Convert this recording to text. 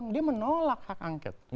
dia menolak hak angket